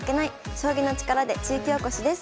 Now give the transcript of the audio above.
将棋の力で地域おこし」です。